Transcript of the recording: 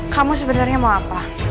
kamu sebenernya mau apa